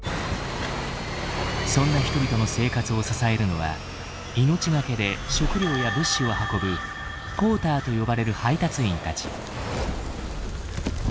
そんな人々の生活を支えるのは命懸けで食料や物資を運ぶ「ポーター」と呼ばれる配達員たち。